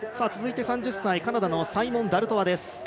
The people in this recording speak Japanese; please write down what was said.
続いて３０歳、カナダのサイモン・ダルトワです。